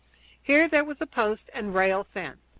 Here there was a post and rail fence.